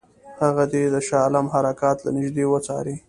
هغه دې د شاه عالم حرکات له نیژدې وڅاري.